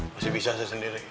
masih bisa saya sendiri